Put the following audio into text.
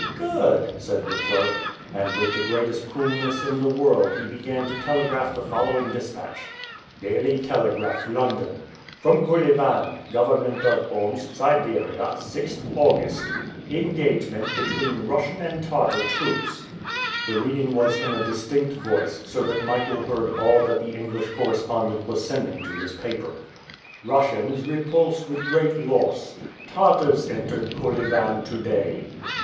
"Good," said the clerk. And with the greatest coolness in the world he began to telegraph the following dispatch: "Daily Telegraph, London. "From Kolyvan, Government of Omsk, Siberia, 6th August. "Engagement between Russian and Tartar troops." The reading was in a distinct voice, so that Michael heard all that the English correspondent was sending to his paper. "Russians repulsed with great loss. Tartars entered Kolyvan to day."